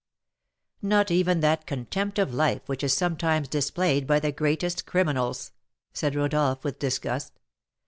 "Not even that contempt of life which is sometimes displayed by the greatest criminals!" said Rodolph, with disgust.